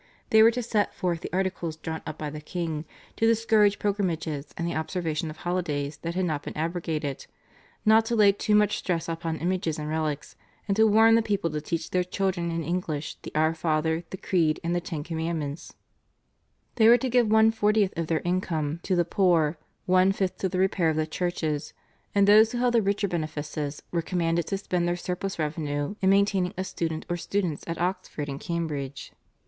They were to set forth the Articles drawn up by the king, to discourage pilgrimages and the observation of holidays that had not been abrogated, not to lay too much stress upon images and relics, and to warn the people to teach their children in English the Our Father, the Creed, and the Ten Commandments; they were to give one fortieth of their incomes to the poor, one fifth to the repair of the churches, and those who held the richer benefices were commanded to spend their surplus revenue in maintaining a student or students at Oxford and Cambridge.